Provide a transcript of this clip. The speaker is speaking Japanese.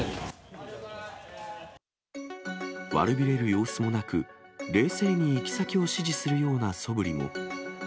悪びれる様子もなく、冷静に行き先を指示するようなそぶりも。